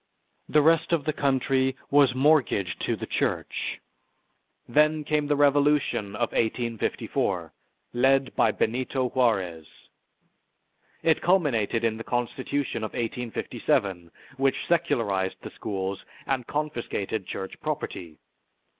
The rest of the country was mortgaged to the Church. Then came the revolution of 1854, led by Benito Juarez. It culminated in the Constitution of 1857, which secularized the schools and confiscated Church property.